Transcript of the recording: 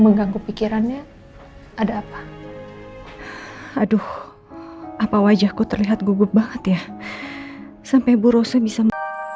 mengganggu pikirannya ada apa aduh apa wajahku terlihat gugup banget ya sampai buruk semisal